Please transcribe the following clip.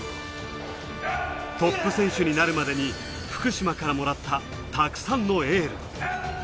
トップ選手になるまでに福島からもらったたくさんのエール。